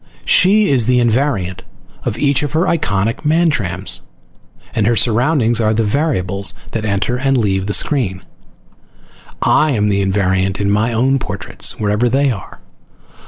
She is the invariant of each of her iconic Mantrams and her surroundings are the variables that enter and leave the screen. I am the invariant in my own portraits, wherever they are.